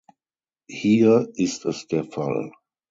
Hier ist es der Fall.